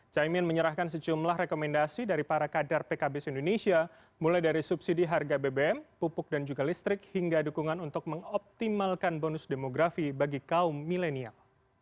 caimin menyerahkan sejumlah rekomendasi dari para kader pkb se indonesia mulai dari subsidi harga bbm pupuk dan juga listrik hingga dukungan untuk mengoptimalkan bonus demografi bagi kaum milenial